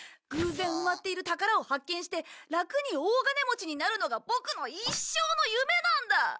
偶然埋まっている宝を発見して楽に大金持ちになるのがボクの一生の夢なんだ。